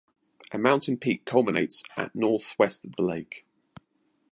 A mountain peak culminates at at northwest of the lake.